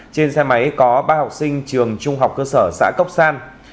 trên xe máy có ba học sinh trường trung học cơ sở xã cốc san